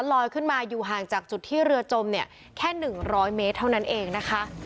ลอยขึ้นมาอยู่ห่างจากจุดที่เรือจมเนี่ยแค่๑๐๐เมตรเท่านั้นเองนะคะ